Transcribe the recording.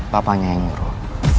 papanya yang nyuruh